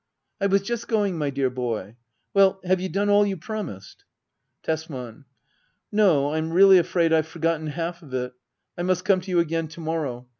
I was just going, my dear boy. Well, have you done all you promised } Tesman. No ; Fm really afraid I have forgotten half of it. I must come to you again to morrow.